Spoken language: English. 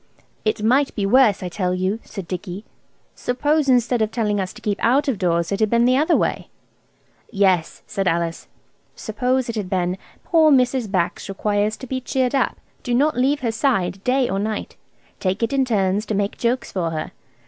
"It might be worse, I tell you," said Dicky. "Suppose instead of telling us to keep out of doors it had been the other way?" "Yes," said Alice, "suppose it had been, 'Poor Mrs. Bax requires to be cheered up. Do not leave her side day or night. Take it in turns to make jokes for her.